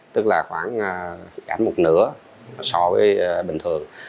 tức là khoảng một nửa so với bình thường